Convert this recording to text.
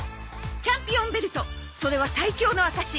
チャンピオンベルトそれは最強の証し